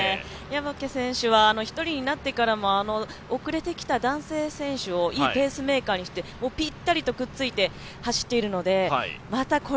ニャボケ選手は１人になってからも遅れてきた男性選手をいいペースメーカーにしてぴったりとくっついて走っているのでまた